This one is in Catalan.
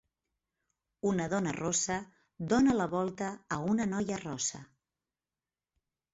Una dona rossa dona la volta a una noia rossa.